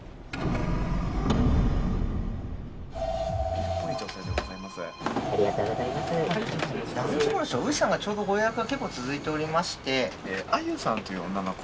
ゆいさんがちょうどご予約が結構続いておりましてあゆさんという女の子。